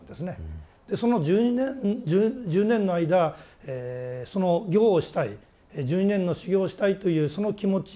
その１０年の間その行をしたり１２年の修行をしたいというその気持ち。